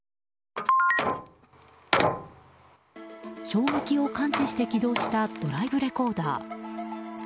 衝撃を感知して起動したドライブレコーダー。